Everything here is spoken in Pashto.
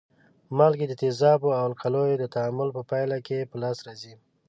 مالګې د تیزابو او القلیو د تعامل په پایله کې په لاس راځي.